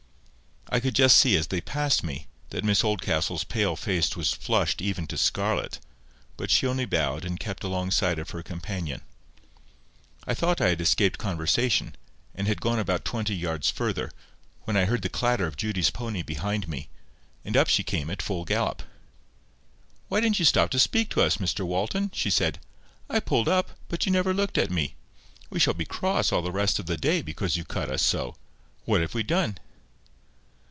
I could just see, as they passed me, that Miss Oldcastle's pale face was flushed even to scarlet, but she only bowed and kept alongside of her companion. I thought I had escaped conversation, and had gone about twenty yards farther, when I heard the clatter of Judy's pony behind me, and up she came at full gallop. "Why didn't you stop to speak to us, Mr Walton?" she said. "I pulled up, but you never looked at me. We shall be cross all the rest of the day, because you cut us so. What have we done?"